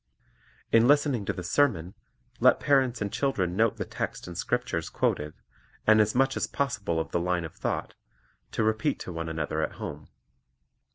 In listening to the sermon, let parents and children note the text and the scriptures quoted, and as much as possible of the line of thought, to repeat to one another at home.